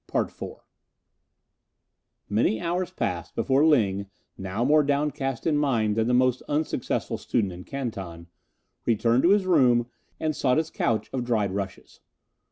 CHAPTER IV Many hours passed before Ling, now more downcast in mind than the most unsuccessful student in Canton, returned to his room and sought his couch of dried rushes.